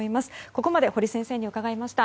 ここまで堀先生に伺いました。